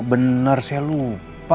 benar saya lupa